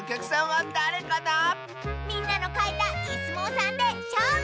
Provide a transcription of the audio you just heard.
みんなのかいたイスもうさんでしょうぶ！